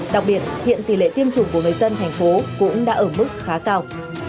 đặc biệt hiện tỷ lệ tiêm chủng của người dân thành phố cũng đã ở mức khá cao